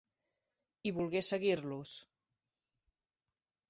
I volgué seguir-los.